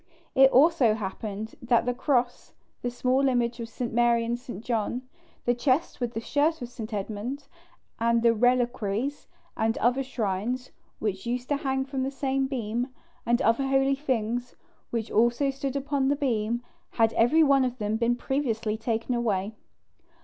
It also happened that the cross, the small image of St. Mary and St. John, the chest with the shirt of St. Edmund, and the reliquaries and other shrines which used to hang from the same beam, and other holy things which also stood upon the beam, had every one of them been previously taken away.